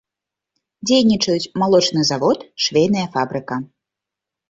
Дзейнічаюць малочны завод, швейная фабрыка.